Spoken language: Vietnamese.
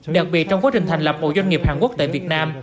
đặc biệt trong quá trình thành lập một doanh nghiệp hàn quốc tại việt nam